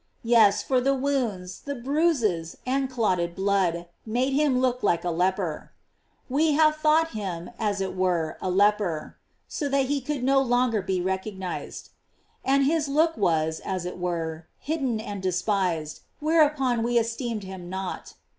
"*Yes, for the wounds, the bruises, and clotted blood, made him look like a leper; "We have thought him, as it were, a leper ;"f so that he could no longer be recognized. "And his look was, as it were, hidden and despised, whereupon we esteemed him not."